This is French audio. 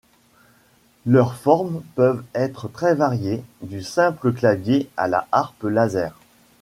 Leurs formes peuvent être très variées, du simple clavier à la harpe laser.